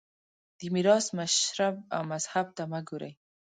دې میراث مشرب او مذهب ته مه ګورئ